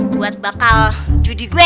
buat bakal judi gue